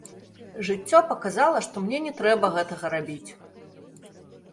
Жыццё паказала, што мне не трэба гэтага рабіць.